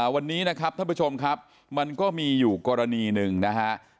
วันนี้นะครับท่านผู้ชมครับมันก็มีอยู่กรณีหนึ่งนะฮะ